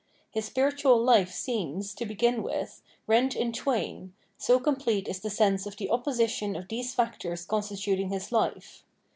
His spiritual life seems, to begin with, rent in twain, so complete is the sense of the opposition of these factors constituting his life.